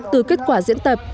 từ kết quả diễn tập